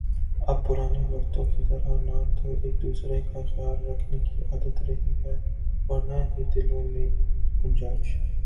اب پرانے وقتوں کی طرح نہ تو ایک دوسرے کا خیال رکھنے کی عادت رہی ہے اور نہ ہی دلوں میں گنجائش